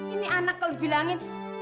ini anak kalau dibilangin